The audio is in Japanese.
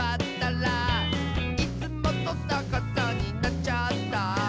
「いつもとさかさになっちゃった」